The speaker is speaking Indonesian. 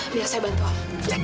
biar saya bantu om